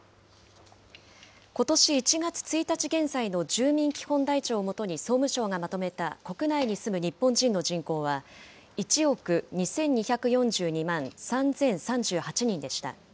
ことし１月１日現在の住民基本台帳を基に総務省がまとめた国内に住む日本人の人口は、１億２２４２万３０３８人でした。